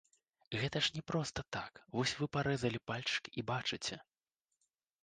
Гэта ж не проста так, вось вы парэзалі пальчык і бачыце.